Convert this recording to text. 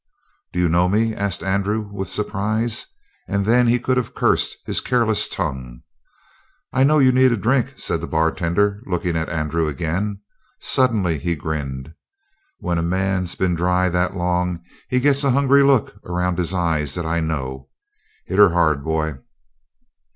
"Do you know me?" asked Andrew with surprise. And then he could have cursed his careless tongue. "I know you need a drink," said the bartender, looking at Andrew again. Suddenly he grinned. "When a man's been dry that long he gets a hungry look around the eyes that I know. Hit her hard, boy."